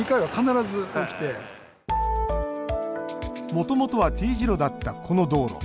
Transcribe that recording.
もともとはＴ字路だったこの道路。